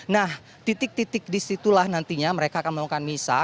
nah titik titik disitulah nantinya mereka akan melakukan misa